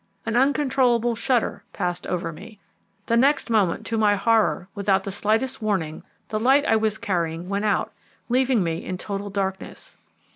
An uncontrollable shudder passed over me. The next moment, to my horror, without the slightest warning, the light I was carrying went out, leaving me in total darkness.